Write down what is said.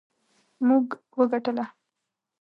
موږ وګټله